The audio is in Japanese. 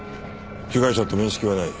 被害者と面識はない。